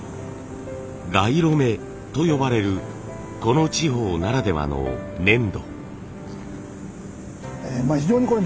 蛙目と呼ばれるこの地方ならではの粘土。